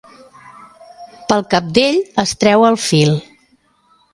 Pel cabdell es treu el fil.